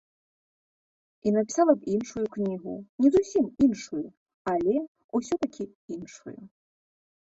І напісала б іншую кнігу, не зусім іншую, але ўсё-такі іншую.